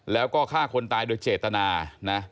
แล้วก็ฆ่าคนตายโดยเจตนานะ